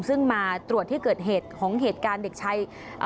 ซึ่งมาตรวจที่เกิดเหตุของเหตุการณ์เด็กชาย